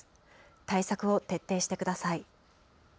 対策を徹底してください。